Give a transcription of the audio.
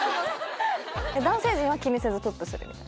男性陣は気にせずプップするみたいな？